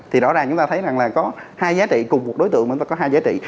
thì rõ ràng chúng ta thấy rằng là có hai giá trị cùng một đối tượng mà chúng ta có hai giá trị